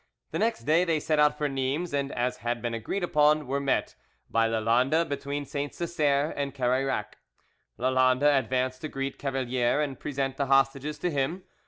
The next day they set out for Nimes, and, as had been agreed upon, were met by Lalande between Saint Cesaire and Carayrac. Lalande advanced to greet Cavalier and present the hostages to him.